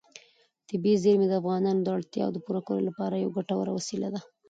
طبیعي زیرمې د افغانانو د اړتیاوو د پوره کولو لپاره یوه ګټوره وسیله ده.